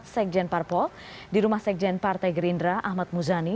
sekjen parpol di rumah sekjen partai gerindra ahmad muzani